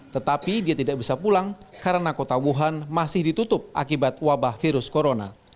tetapi dia tidak bisa pulang karena kota wuhan masih ditutup akibat wabah virus corona